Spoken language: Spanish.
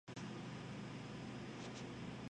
Es una palabra castellanizada.